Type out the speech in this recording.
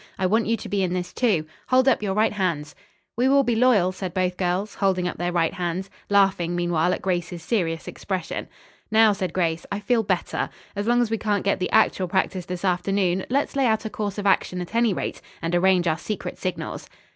I want you to be in this, too. Hold up your right hands." "We will be loyal," said both girls, holding up their right hands, laughing meanwhile at Grace's serious expression. "Now," said Grace, "I feel better. As long as we can't get the actual practice this afternoon let's lay out a course of action at any rate, and arrange our secret signals."